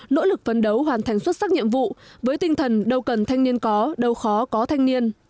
nỗ lực phấn đấu hoàn thành xuất sắc nhiệm vụ với tinh thần đâu cần thanh niên có đâu khó có thanh niên